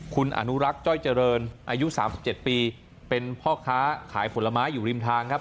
คุณอนุรักษ์จ้อยเจริญอายุ๓๗ปีเป็นพ่อค้าขายผลไม้อยู่ริมทางครับ